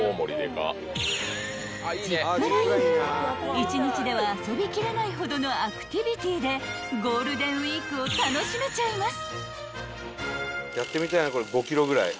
［一日では遊びきれないほどのアクティビティーでゴールデンウイークを楽しめちゃいます］